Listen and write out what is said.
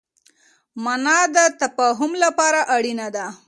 مانا د تفاهم لپاره اړينه ده.